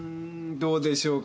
どうでしょうか。